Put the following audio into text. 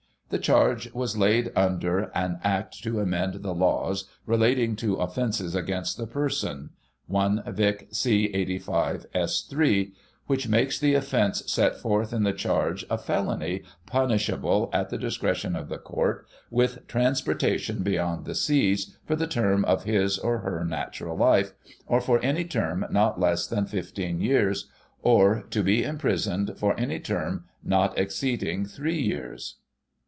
The charge was laid under "An Act to amend the Laws relating to Offences against the Person " (i Vic, c. 85, s. 3), which makes the offence set forth in the charge, a felony, punishable, at the discretion of the Court, with transportation beyond the seas, for the term of his, or her, natural life, or for any term not less than fifteen years, or to be imprisoned for any term not exceeding three years.